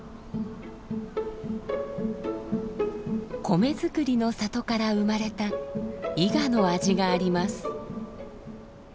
米作りの里から生まれた伊賀の味があります。